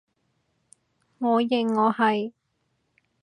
我認我係